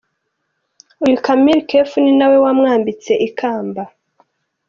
Uyu Camille Cerf ni na we wamwambitse ikamba.